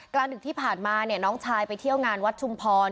ดึกที่ผ่านมาเนี่ยน้องชายไปเที่ยวงานวัดชุมพร